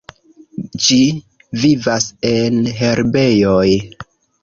Ĝi vivas en herbejoj.